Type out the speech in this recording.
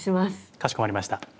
かしこまりました。